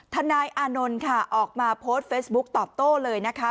นายอานนท์ค่ะออกมาโพสต์เฟซบุ๊กตอบโต้เลยนะคะ